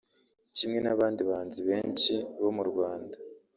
Kimwe n’abandi bahanzi benshi bo mu Rwanda